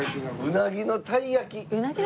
うなぎの鯛焼き？